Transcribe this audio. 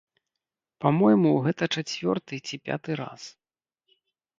Па-мойму, гэта чацвёрты ці пяты раз.